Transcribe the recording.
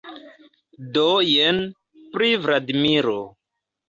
Do jen, pri Vladimiro.